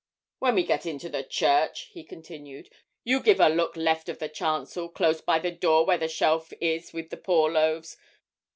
'When we get into the church,' he continued, 'you give a look left of the chancel, close by the door where the shelf is with the poor loaves.